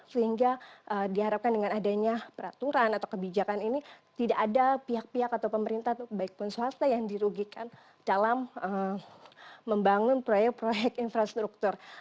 sehingga diharapkan dengan adanya peraturan atau kebijakan ini tidak ada pihak pihak atau pemerintah baik pun swasta yang dirugikan dalam membangun proyek proyek infrastruktur